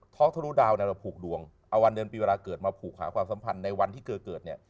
อกทะลุดาวเนี่ยเราผูกดวงเอาวันเดือนปีเวลาเกิดมาผูกหาความสัมพันธ์ในวันที่เกิดเนี่ย